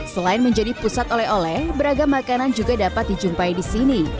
selain menjadi pusat oleh oleh beragam makanan juga dapat dijumpai di sini